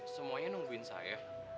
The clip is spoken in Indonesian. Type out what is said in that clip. semuanya nungguin saya